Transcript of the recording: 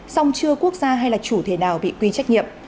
song chưa quốc gia hay là chủ thể nào bị quy trách nhiệm